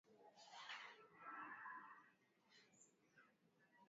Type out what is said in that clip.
akiwa na wasiwasi wa kubakwa na pengine wengine wanabakwa